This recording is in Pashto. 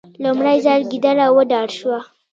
لومړی ځل ګیدړه وډار شوه.